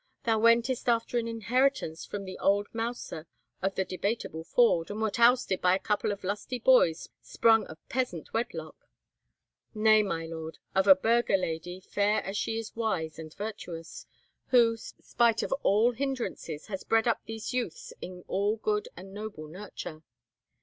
Thou wentest after an inheritance from the old Mouser of the Debateable Ford, and wert ousted by a couple of lusty boys sprung of a peasant wedlock." "Nay, my lord, of a burgher lady, fair as she is wise and virtuous; who, spite of all hindrances, has bred up these youths in all good and noble nurture."